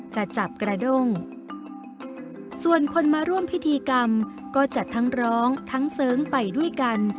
จะจับกระด้งส่วนคนมาร่วมพิธีกรรมก็จะทั้งร้องทั้งเสริงไปด้วยกัน